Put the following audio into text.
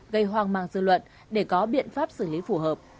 gây hoang mang dư luận để có biện pháp xử lý phù hợp